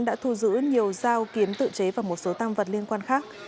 đã thu giữ nhiều dao kiếm tự chế và một số tăng vật liên quan khác